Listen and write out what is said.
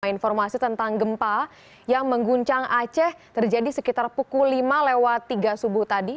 informasi tentang gempa yang mengguncang aceh terjadi sekitar pukul lima lewat tiga subuh tadi